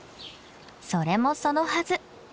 それもそのはず